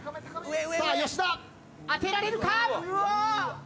吉田当てられるか！？